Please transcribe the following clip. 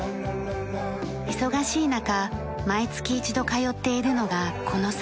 忙しい中毎月１度通っているのがこの山荘。